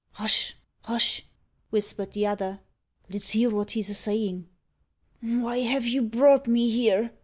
"Hush hush!" whispered the other. "Let's hear wot he's a sayin'." "Why have you brought me here?"